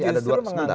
saya justru menganggap